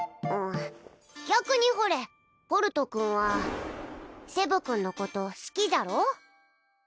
逆にほれホルト君はセブ君のこと好きじゃろう？